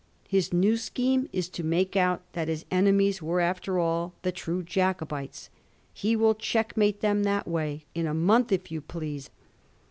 His new scheme is to make out that his enemies were after all the true Jacobites ; he will checkmate them that way —' in a month, if you please.'